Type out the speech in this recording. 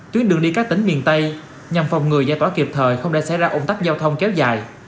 tuyến đường đi các tỉnh miền tây nhằm phòng người gia tỏa kịp thời không để xảy ra ổn tắc giao thông kéo dài